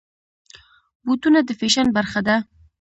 بوټونه د فیشن برخه ده.